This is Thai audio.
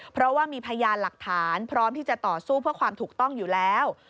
เพราะว่ามีพยานหลักฐานพร้อมที่จะต่อสู้เพื่อความถูกต้องอยู่แล้ว